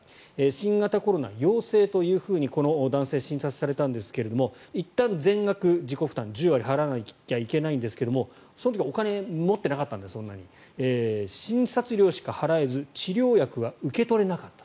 新型コロナ陽性というふうにこの男性は診察されたんですがいったん全額自己負担１０割払わなきゃいけないんですがその時はお金をそんなに持っていなかったんで診察料しか払えず治療薬が受け取れなかった。